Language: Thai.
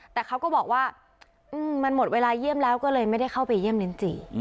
แต่เขาก็บอกว่ามันหมดเวลาเยี่ยมแล้วก็เลยไม่ได้เข้าไปเยี่ยมลิ้นจี